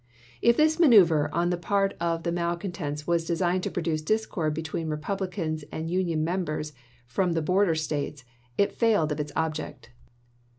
If this manoeuvre on the part of the malcontents was designed to produce discord between the Re publicans and the Union Members from the border States, it failed of its object.